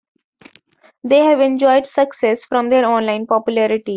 They have enjoyed success from their online popularity.